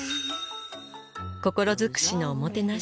心尽くしのおもてなし